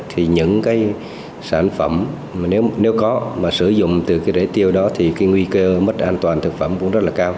thì những sản phẩm nếu có mà sử dụng từ rễ tiêu đó thì nguy cơ mất an toàn thực phẩm cũng rất là cao